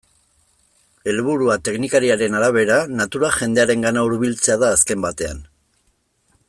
Helburua, teknikariaren arabera, natura jendearengana hurbiltzea da azken batean.